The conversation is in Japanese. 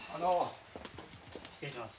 失礼します。